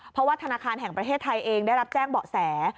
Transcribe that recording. เพราะว่าธนาคารแห่งประเทศไทยเองได้รับแจ้งเบาะแส